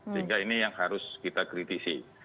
sehingga ini yang harus kita kritisi